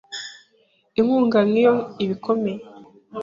Inkunga nk’iyo iba ikomeye.